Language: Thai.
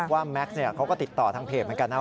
แม็กซ์เขาก็ติดต่อทางเพจเหมือนกันนะ